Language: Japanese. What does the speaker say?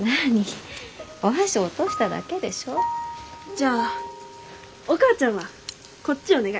じゃあお母ちゃんはこっちお願い。